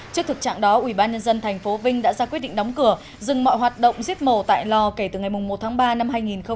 trước thực trạng đó ubnd tp vinh đã ra quyết định đóng cửa dừng mọi hoạt động giết mổ tại lò kể từ ngày một tháng ba năm hai nghìn hai mươi